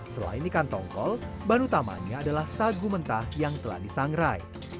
selain ikan tongkol bahan utamanya adalah sagu mentah yang telah disangrai